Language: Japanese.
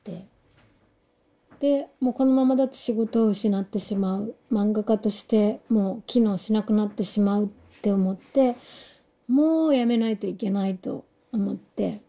でもうこのままだと仕事を失ってしまう漫画家としても機能しなくなってしまうって思ってもうやめないといけないと思って。